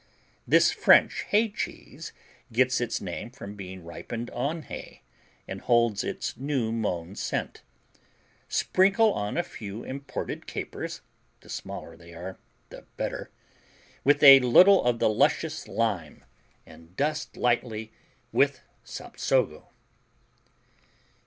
This French hay cheese gets its name from being ripened on hay and holds its new mown scent. Sprinkle on a few imported capers (the smaller they are, the better), with a little of the luscious juice, and dust lightly with Sapsago.